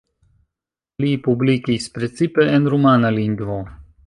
Li publikis precipe en rumana lingvo.